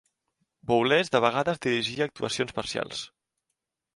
Boulez de vegades dirigia actuacions parcials.